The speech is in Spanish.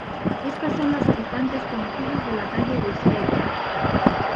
Estos son los habitantes conocidos de la Calle Wisteria.